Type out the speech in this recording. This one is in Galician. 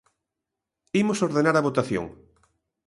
Imos ordenar a votación.